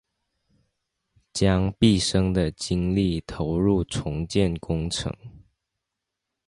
将毕生的精力投入重建工程